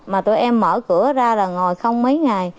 mà tụi em mở cửa ra là ngồi không mấy ngày